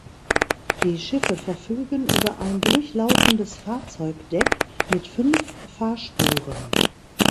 Die Schiffe verfügen über ein durchlaufendes Fahrzeugdeck mit fünf Fahrspuren.